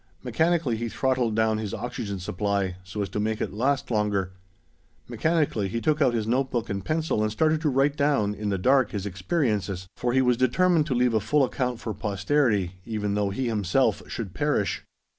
Mechanically he throttled down his oxygen supply, so as to make it last longer. Mechanically he took out his notebook and pencil and started to write down, in the dark, his experiences; for he was determined to leave a full account for posterity, even though he himself should perish.